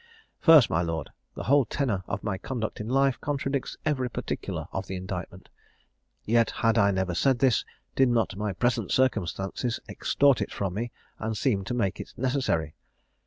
"First, my lord, the whole tenor of my conduct in life contradicts every particular of the indictment: yet had I never said this, did not my present circumstances extort it from me, and seem to make it necessary.